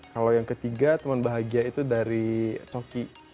kalau yang ketiga teman bahagia itu dari coki